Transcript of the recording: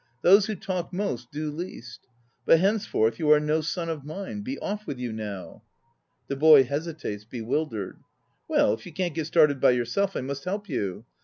Those who talk most do least. But henceforth you are no son of mine. Be off with you now! (The boy hesitates, bewildered.) Well, if you can't get started by yourself I must help you.